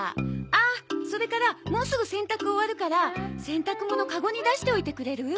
あっそれからもうすぐ洗濯終わるから洗濯物カゴに出しておいてくれる？